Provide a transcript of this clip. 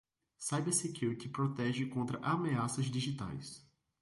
Cybersecurity protege contra ameaças digitais.